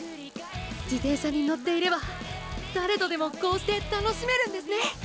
自転車に乗っていれば誰とでもこうして楽しめるんですね！